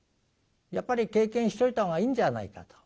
やっぱり経験しておいた方がいいんじゃないかと。